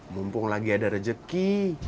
mumpung lagi ada rezeki